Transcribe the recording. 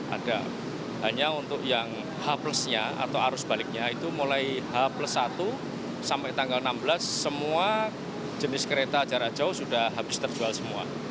ada hanya untuk yang h plusnya atau arus baliknya itu mulai h plus satu sampai tanggal enam belas semua jenis kereta jarak jauh sudah habis terjual semua